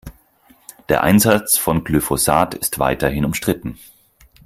Der Einsatz von Glyphosat ist weiterhin umstritten.